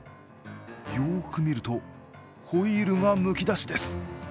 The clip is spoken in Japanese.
よく見るとホイールがむき出しです。